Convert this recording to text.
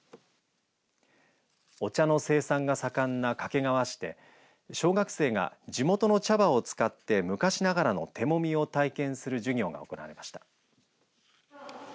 お茶の生産が盛んな掛川市で小学生が地元の茶葉を使って昔ながらの手もみを体験する授業が行われました。